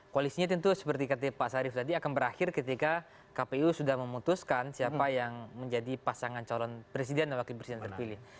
koalisinya tentu seperti kata pak sarif tadi akan berakhir ketika kpu sudah memutuskan siapa yang menjadi pasangan calon presiden dan wakil presiden terpilih